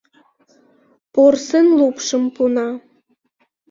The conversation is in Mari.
Порсын лупшым пуна.